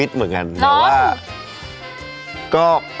ร้องเพลงมากอบละคร